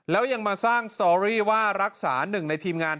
แล้วยังมาสร้างสตอรี่ว่ารักษาหนึ่งในทีมงาน